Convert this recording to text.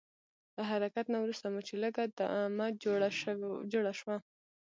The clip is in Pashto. له حرکت نه وروسته مو چې لږ دمه جوړه شوه.